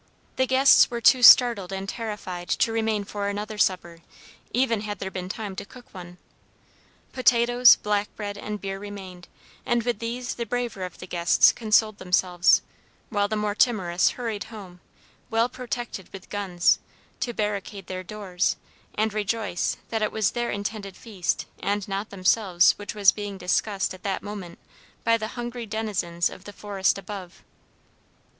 The guests were too startled and terrified to remain for another supper, even had there been time to cook one. Potatoes, black bread, and beer remained, and with these the braver of the guests consoled themselves, while the more timorous hurried home, well protected with guns, to barricade their doors, and rejoice that it was their intended feast and not themselves which was being discussed at that moment by the hungry denizens of the forest above.